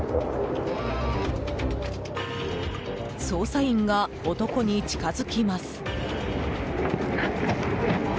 捜査員が男に近づきます。